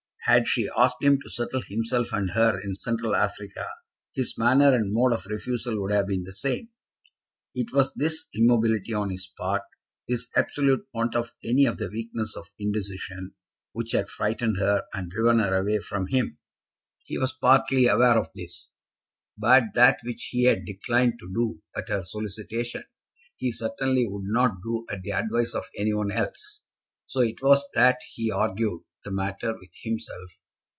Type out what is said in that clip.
Had she asked him to settle himself and her in Central Africa, his manner and mode of refusal would have been the same. It was this immobility on his part, this absolute want of any of the weakness of indecision, which had frightened her, and driven her away from him. He was partly aware of this; but that which he had declined to do at her solicitation, he certainly would not do at the advice of any one else. So it was that he argued the matter with himself.